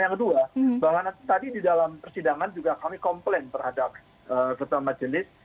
yang kedua bahwa tadi di dalam persidangan juga kami komplain terhadap ketua majelis